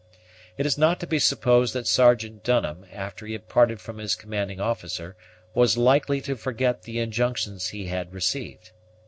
It is not to be supposed that Sergeant Dunham, after he had parted from his commanding officer, was likely to forget the injunctions he had received.